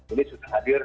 ini sudah hadir